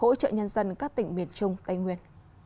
hỗ trợ nhân dân các tỉnh miền trung tây nguyên